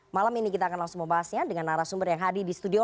malam ini kita akan langsung membahasnya dengan arah sumber yang hadir di studio